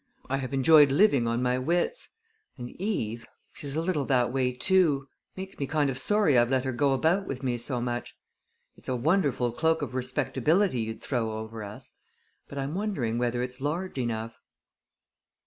I have enjoyed living on my wits. And Eve she's a little that way, too. Makes me kind of sorry I've let her go about with me so much. It's a wonderful cloak of respectability you'd throw over us; but I'm wondering whether it's large enough!"